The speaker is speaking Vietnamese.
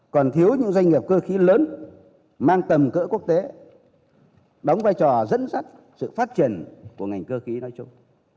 còn thiếu những doanh nghiệp cơ khí lớn mang tầm cỡ quốc tế đóng vai trò dẫn dắt sự phát triển của ngành cơ khí nói chung